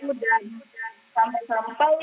itu pun juga boleh